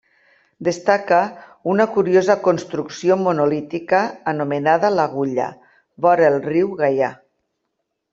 Destaca una curiosa construcció monolítica anomenada l'Agulla, vora el riu Gaià.